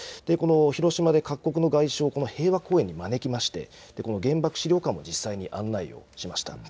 広島で各国の外相を平和公園に招きまして、この原爆資料館も実際に案内をしました。